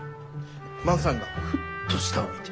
万さんがふっと下を見て。